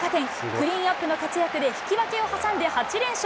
クリーンアップの活躍で引き分けを挟んで８連勝。